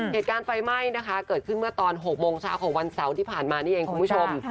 เหตุการณ์ไฟไหม้นะคะเกิดขึ้นเมื่อตอน๖โมงเช้าของวันเสาร์ที่ผ่านมานี่เองคุณผู้ชม